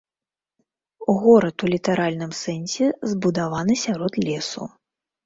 Горад у літаральным сэнсе збудаваны сярод лесу.